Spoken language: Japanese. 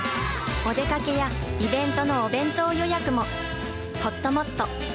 お出かけや、イベントのお弁当予約も、ほっともっと。